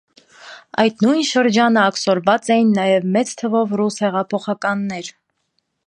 Այդ նոյն շրջանը աքսորուած էին նաեւ մեծ թիւով ռուս յեղափոխականներ։